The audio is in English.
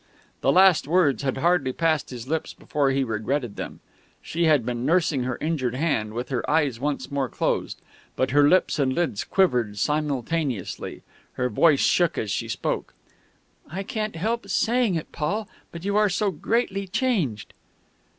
The last words had hardly passed his lips before he regretted them. She had been nursing her injured hand, with her eyes once more closed; but her lips and lids quivered simultaneously. Her voice shook as she spoke. "I can't help saying it, Paul, but you are so greatly changed."